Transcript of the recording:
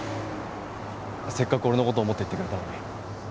せっかく俺の事を思って言ってくれたのに。